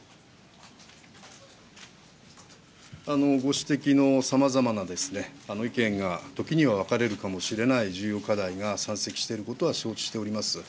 ご指摘のさまざまな意見が時には分かれるかもしれない重要課題が山積していることは承知しております。